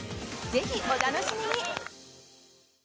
ぜひお楽しみに。